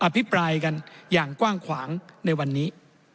พิปรายกันอย่างกว้างขวางในวันนี้